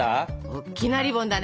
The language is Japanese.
おっきなリボンだね？